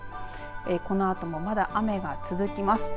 このあともまだ雨が続きます。